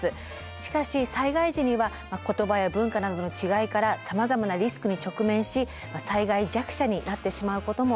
しかし災害時には言葉や文化などの違いからさまざまなリスクに直面し災害弱者になってしまうこともあります。